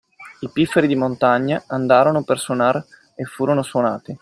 I pifferi di montagna andarono per suonar e furono suonati.